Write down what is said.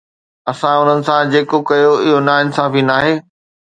اسان انهن سان جيڪو ڪيو اهو ناانصافي ناهي